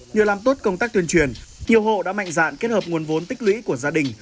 nhờ làm tốt công tác tuyên truyền nhiều hộ đã mạnh dạn kết hợp nguồn vốn tích lũy của gia đình